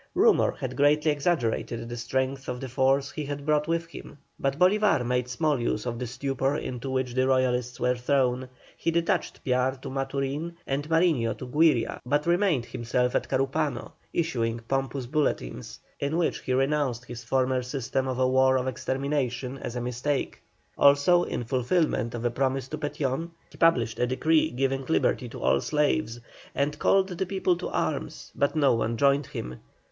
Rumour had greatly exaggerated the strength of the force he brought with him, but Bolívar made small use of the stupor into which the Royalists were thrown. He detached Piar to Maturin and Mariño to Güiria, but remained himself at Carupano, issuing pompous bulletins, in which he renounced his former system of a war of extermination, as a mistake. Also, in fulfilment of a promise to Petión, he published a decree giving liberty to all slaves, and called the people to arms, but no one joined him.